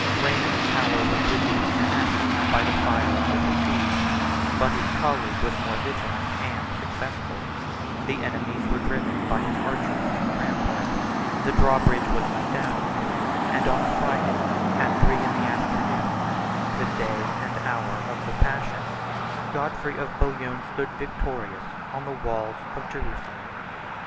Raymond's Tower was reduced to ashes by the fire of the besieged, but his colleague was more vigilant and successful; 1091 the enemies were driven by his archers from the rampart; the draw bridge was let down; and on a Friday, at three in the afternoon, the day and hour of the passion, Godfrey of Bouillon stood victorious on the walls of Jerusalem.